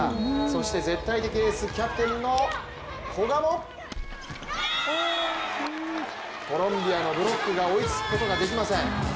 そして絶対的エース、キャプテンの古賀もコロンビアのブロックが追いつくことができません。